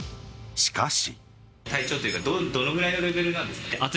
しかし。